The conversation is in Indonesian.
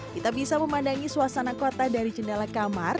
kita bisa memandangi suasana kota dari jendela kamar